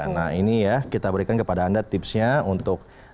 nah ini ya kita berikan kepada anda tipsnya untuk